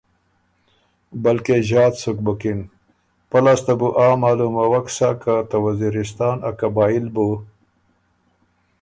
بلکې ݫات سُک بُکِن۔ پۀ لاسته بو آ معلوموک سَۀ که ته وزیرستان ا قبائل بُو